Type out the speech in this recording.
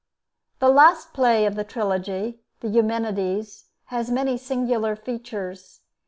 The last play of the trilogy, the 'Eumenides,' has many singular features.